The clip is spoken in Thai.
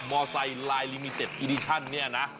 มอไซลายลิมิเต็ดอีดิชั่นนี่นะ